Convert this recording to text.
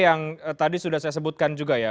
yang tadi sudah saya sebutkan juga ya